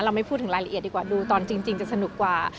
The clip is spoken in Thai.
ไม่พูดถึงรายละเอียดดีกว่าดูตอนจริงจะสนุกกว่า